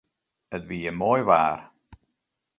It wie moai waar.